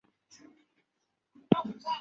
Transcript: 现已被撤销。